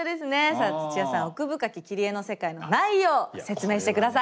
さあ土屋さん「奥深き切り絵の世界」の内容説明して下さい。